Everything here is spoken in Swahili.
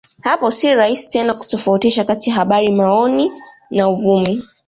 Hapo si rahisi tena kutofautisha kati ya habari maoni na uvumi